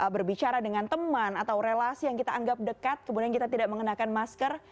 berbicara dengan teman atau relasi yang kita anggap dekat kemudian kita tidak mengenakan masker